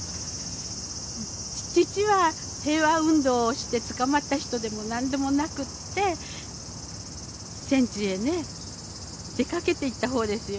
父は平和運動をして捕まった人でも何でもなくて戦地へね出かけていった方ですよね。